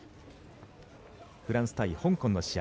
フランス対香港の試合